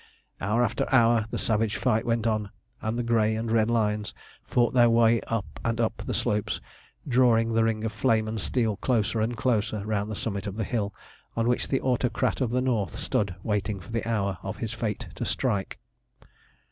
Hour after hour the savage fight went on, and the grey and red lines fought their way up and up the slopes, drawing the ring of flame and steel closer and closer round the summit of the hill on which the Autocrat of the North stood waiting for the hour of his fate to strike.